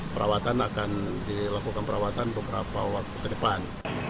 perawatan akan dilakukan perawatan beberapa waktu ke depan